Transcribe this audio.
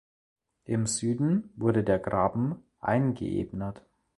Im Süden wurde der Graben eingeebnet.